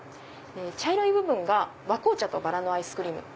茶色い部分が和紅茶とバラのアイスクリーム。